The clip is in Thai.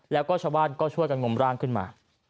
แล้วก็ชาวบ้านก็ช่วยกันงมร่างขึ้นมา